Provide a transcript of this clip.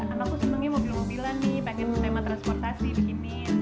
anakku senangnya mobil mobilan nih pengen tema transportasi bikinin